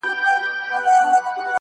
غټي سترگي شينكى خال د چا د ياد.